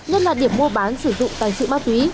nhất là điểm mua bán sử dụng tài sự ma túy